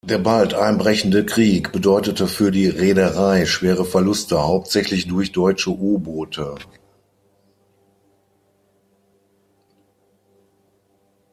Der bald einbrechende Krieg bedeutete für die Reederei schwere Verluste, hauptsächlich durch deutsche U-Boote.